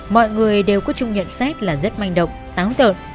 mọi người đều có chung nhận xét là rất manh động táo tợn